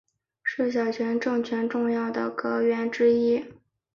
是小泉政权重要的阁员之一。